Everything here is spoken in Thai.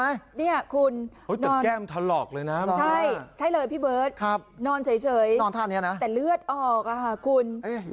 แต่แก้มทะลอกเลยนะใช่เลยพี่เบิร์ตนอนเฉยแต่เลือดออกคุณ